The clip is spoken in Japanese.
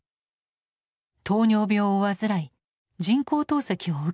糖尿病を患い人工透析を受けていました。